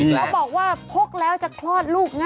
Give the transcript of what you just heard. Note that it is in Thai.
เขาบอกว่าพกแล้วจะคลอดลูกนะ